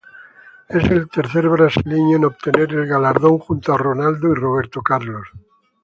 Es el tercer brasileño en obtener el galardón, junto a Ronaldo y Roberto Carlos.